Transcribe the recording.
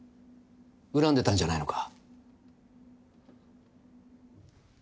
恨んでたんじゃないのか？